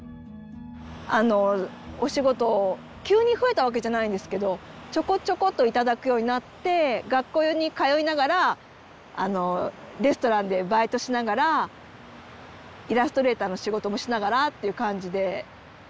あのお仕事急に増えたわけじゃないんですけどちょこちょこと頂くようになって学校に通いながらレストランでバイトしながらイラストレーターの仕事もしながらっていう感じで。